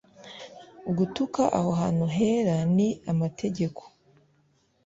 gutuka aha hantu hera n amategeko